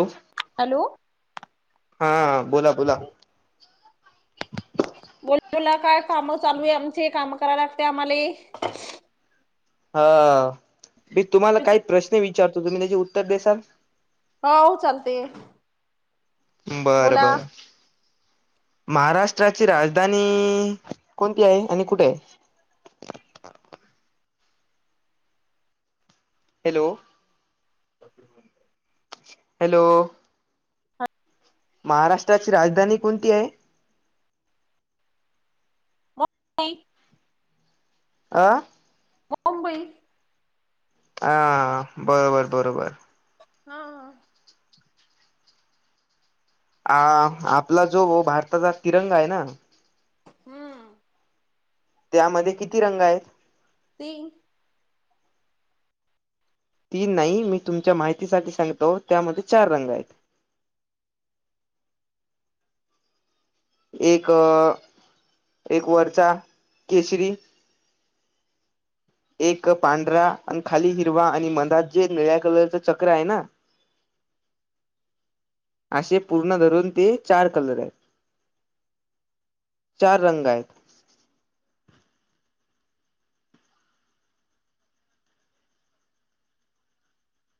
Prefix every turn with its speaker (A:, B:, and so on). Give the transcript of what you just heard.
A: hello
B: hello
A: हां बोला बोला
B: बोला बोला कायं कामं चालूं आहे आमचे कामं करां लागते आम्हांले
A: हां मी तुम्हांला कांहीं प्रश्न विचारतो तुम्हीं त्यांची उत्तरं देसांल
B: हांव चालते
A: बरं
B: बोला
A: बरं महाराष्ट्रांची राजधानी कोणती आहे आणि कुंठे आहे हॅलो हॅलो महाराष्ट्रांची राजधानी कोणती आहे
B: का [unintelligible]
A: आं
B: मुंबई
A: हां बरोबर बरोबर
B: हां
A: अं आपलां जो भारतांचा तिरंगा आहे नां
B: हम्मं
A: त्यांमध्ये किती रंग आहेतं
B: तीनं
A: तीनं नाहीं मी तुमच्यां माहितीसांठी सांगतो त्यांमध्ये चार रंग आहेतं एक एक वरचां केसरी एक पांढरा आणि खांली हिरवा आणि मधांत जे निळ्यां कलरच चक्रं आहे नां [unintelligible] असे पूर्ण धरूंन ते चार कलर आहेतं चार रंग आहेतं